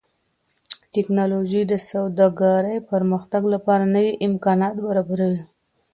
ټکنالوژي د سوداګرۍ پرمختګ لپاره نوي امکانات برابروي.